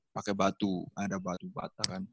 pake batu ada batu batah kan